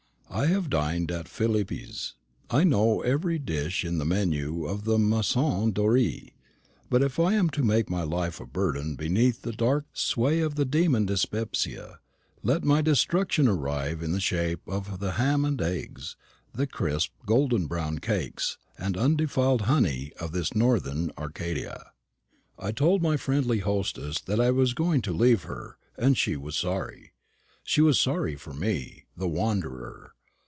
I have dined at Philippe's; I know every dish in the menu of the Maison Dorée; but if I am to make my life a burden beneath the dark sway of the demon dyspepsia, let my destruction arrive in the shape of the ham and eggs, the crisp golden brown cakes, and undefiled honey, of this northern Arcadia. I told my friendly hostess that I was going to leave her, and she was sorry. She was sorry for me, the wanderer.